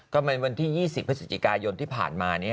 ก็มันวันที่๒๐พฤศจิกายนที่ผ่านมา